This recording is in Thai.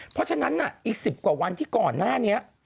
เพราะฉะนั้นอีก๑๐กว่าวันที่ก่อนหน้านี้